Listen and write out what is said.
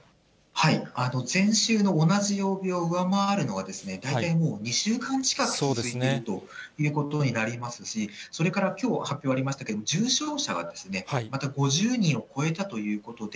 前週の同じ曜日を上回るのが、大体もう２週間近く続いているということになりますし、それからきょう、発表ありましたけれども、重症者がですね、また５０人を超えたということで、